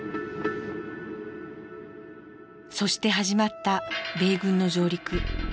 そして始まった米軍の上陸。